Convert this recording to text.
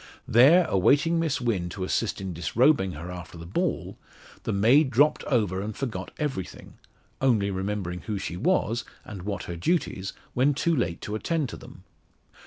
There awaiting Miss Wynn to assist in disrobing her after the ball, the maid dropped over and forgot everything only remembering who she was, and what her duties, when too late to attend to them.